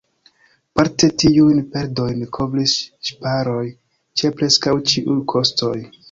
Parte tiujn perdojn kovris ŝparoj ĉe preskaŭ ĉiuj kostoj.